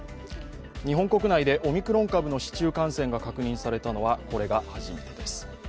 日本国内でオミクロン株の市中感染が確認されたのはこれが初めてです。